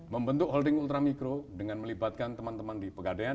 membentuk holding ultramikro dengan melibatkan teman teman di pegadaian